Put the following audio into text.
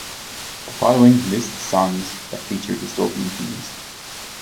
The following lists songs that feature dystopian themes.